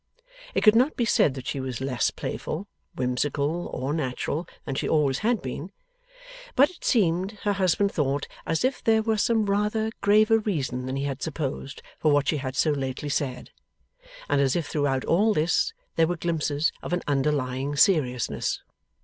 It could not be said that she was less playful, whimsical, or natural, than she always had been; but it seemed, her husband thought, as if there were some rather graver reason than he had supposed for what she had so lately said, and as if throughout all this, there were glimpses of an underlying seriousness.